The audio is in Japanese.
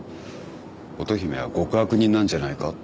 乙姫は極悪人なんじゃないかって。